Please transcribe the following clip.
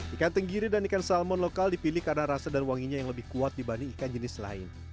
ikan tenggiri dan ikan salmon lokal dipilih karena rasa dan wanginya yang lebih kuat dibanding ikan jenis lain